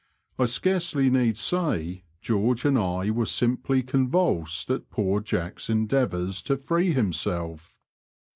I scarcely need say George and I were simply convulsed at poor Jack's endeavours to free himself.